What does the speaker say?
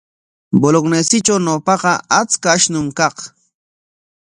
Bolegnesitraw ñawpaqa achka ashnum kaq.